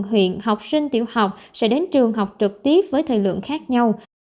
huyện học sinh tiểu học sẽ đến trường học trực tiếp với thời lượng khác nhau